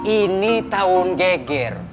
ini tahun geger